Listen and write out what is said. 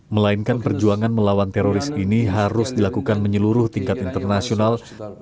melainkan perjuangan melawan teroris ini harus dilakukan menyeluruh tingkat internasional